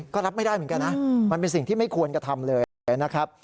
ก็รับไม่ได้เหมือนกันนะมันเป็นสิ่งที่ไม่ควรกระทำเลยนะครับ